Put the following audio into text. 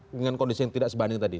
dengan kondisi yang tidak sebanding tadi